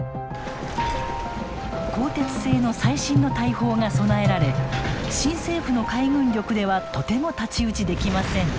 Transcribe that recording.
鋼鉄製の最新の大砲が備えられ新政府の海軍力ではとても太刀打ちできません。